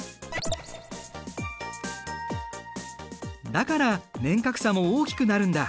だから年較差も大きくなるんだ。